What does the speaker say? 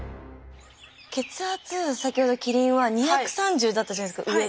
血圧先ほどキリンは２３０だったじゃないですか上が。